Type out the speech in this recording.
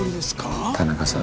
田中さん